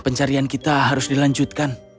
pencarian kita harus dilanjutkan